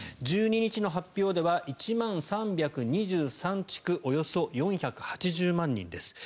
１２日の発表では１万３２３地区およそ４８０万人です。